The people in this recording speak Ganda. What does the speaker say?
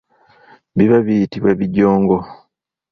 Biba biyitibwa bijongo.